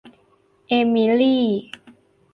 เอมิลี่